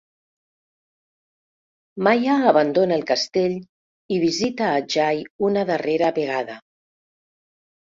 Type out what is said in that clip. Maya abandona el castell i visita a Jai una darrera vegada.